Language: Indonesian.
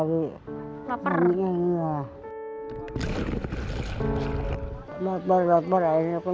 karena laparnya terlalu lama